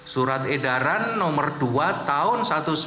surat edaran nomor dua tahun seribu sembilan ratus sembilan puluh